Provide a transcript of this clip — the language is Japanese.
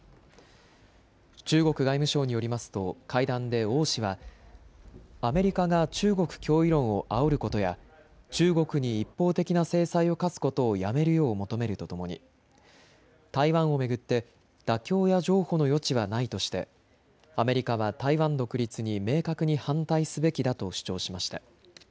中国外務省によりますと会談で王氏はアメリカが中国脅威論をあおることや中国に一方的な制裁を科すことをやめるよう求めるとともに台湾を巡って妥協や譲歩の余地はないとしてアメリカは台湾独立に明確に反対すべきだと主張しました。